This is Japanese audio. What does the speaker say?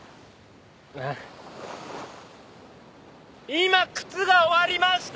今靴が終わりました！